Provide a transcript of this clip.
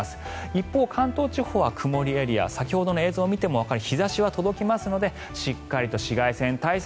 一方、関東地方は曇りエリア先ほどの映像を見てもわかるように日差しは届きますのでしっかりと紫外線対策。